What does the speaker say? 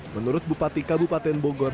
menurut bupati kabupaten bogor